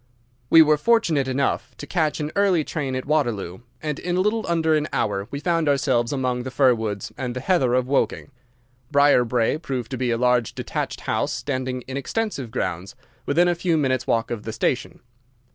We were fortunate enough to catch an early train at Waterloo, and in a little under an hour we found ourselves among the fir woods and the heather of Woking. Briarbrae proved to be a large detached house standing in extensive grounds within a few minutes' walk of the station.